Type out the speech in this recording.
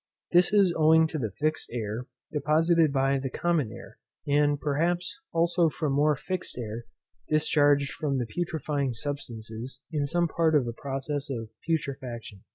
This is owing to the fixed air deposited by the common air, and perhaps also from more fixed air discharged from the putrefying substances in some part of the process of putrefaction.